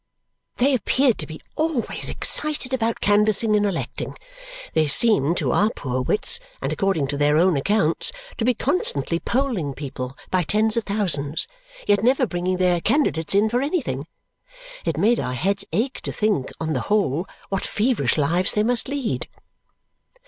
They appeared to be always excited about canvassing and electing. They seemed to our poor wits, and according to their own accounts, to be constantly polling people by tens of thousands, yet never bringing their candidates in for anything. It made our heads ache to think, on the whole, what feverish lives they must lead.